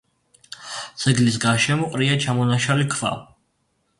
ძეგლის გარშემო ყრია ჩამონაშალი ქვა.